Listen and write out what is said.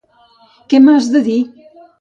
Què m'has de dir!